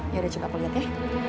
ya udah coba aku lihat ya